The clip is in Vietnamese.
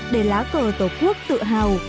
để lá cờ tổ quốc tự hào